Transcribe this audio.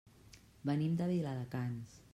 Venim de Viladecans.